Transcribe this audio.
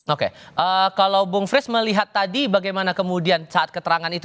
oke kalau bung fris melihat tadi bagaimana kemudian saat keterangan itu